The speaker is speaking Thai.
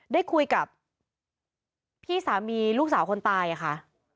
ได้คุยกับพี่สามีลูกสาวคนตายค่ะ